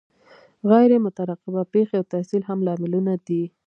غیر مترقبه پیښې او تحصیل هم لاملونه دي.